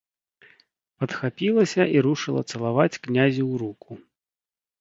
Падхапілася і рушыла цалаваць князю ў руку.